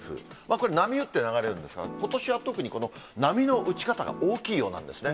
これ、波打って流れるんですが、ことしは特にこの波の打ち方が大きいようなんですね。